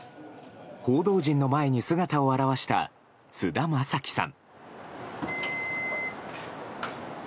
報道陣の前に姿を現した菅田将暉さん。